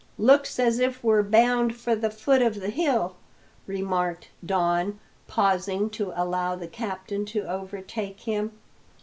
"Looks as if we were bound for the foot of the hill," remarked Don, pausing to allow the captain to overtake him.